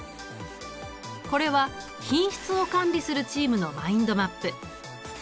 これは品質を管理するチームのマインドマップ。